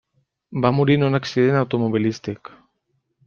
Va morir en un accident automobilístic.